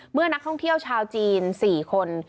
เมื่อนักท่องเที่ยวชาวจีน๔คน